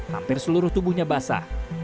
hampir seluruh tubuhnya basah